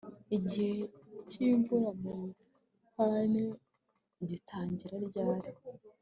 Igihe cyimvura mu Buyapani gitangira ryari